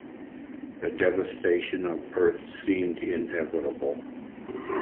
The devastation of Earth seemed inevitable.